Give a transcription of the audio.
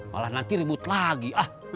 malah nanti ribut lagi